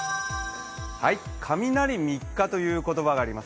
雷３日という言葉があります